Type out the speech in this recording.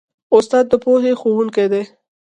استاد د پوهې ښوونکی دی.